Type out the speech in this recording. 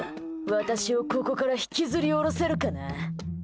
私をここから引きずり下ろせるかな？